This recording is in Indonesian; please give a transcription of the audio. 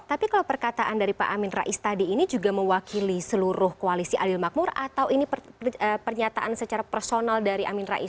tapi kalau perkataan dari pak amin rais tadi ini juga mewakili seluruh koalisi adil makmur atau ini pernyataan secara personal dari amin rais